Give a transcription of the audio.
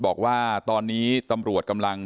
บอกว่าตอนนี้ตำรวจกำลัง